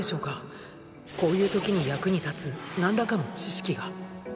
こういう時に役に立つ何らかの知識が。